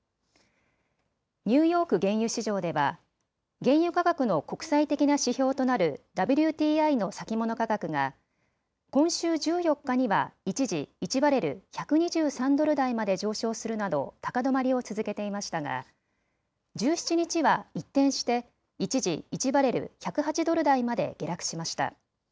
ニューヨーク原油市場では原油価格の国際的な指標となるＷＴＩの先物価格が今週１４日には一時、１バレル１２３ドル台まで上昇するなど高止まりを続けていましたが１７日は一転して一時、１バレル１０８ドル台まで下落しました。